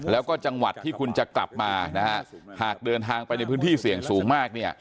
แล้วก็จังหวัดที่คุณจะกลับมานะฮะหากเดินทางไปในพื้นที่เสี่ยงสูงมากเนี่ย